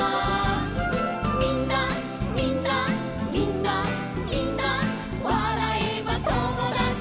「みんなみんなみんなみんなわらえばともだち」